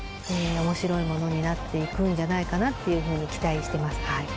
面白いものになっていくんじゃないかなっていうふうに期待してます。